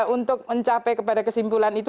untuk mencapai kepada kesimpulan itu